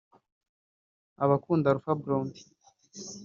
Abakunda Alpha Blondy